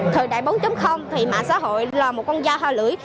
thời đại bốn thì mạng xã hội là một con da ho lưỡi